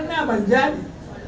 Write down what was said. apa yang jadi